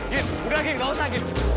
jin udah jin gak usah jin